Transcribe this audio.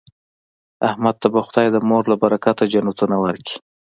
احمد ته به خدای د مور له برکته جنتونه ورکړي.